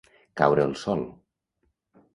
Caure el sol.